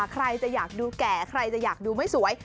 ใครจะอยากดูแก่ใครจะอยากดูไม่สวย